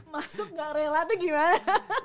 masuk gak rela itu gimana